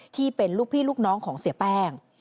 ที่เป็นลูกพี่ลูกน้องของเสียแป้ง